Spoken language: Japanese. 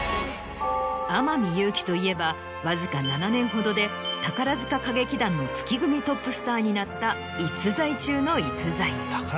天海祐希といえばわずか７年ほどで宝塚歌劇団の月組トップスターになった逸材中の逸材。